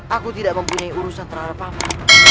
aku tidak mempunyai urusan terhadap apa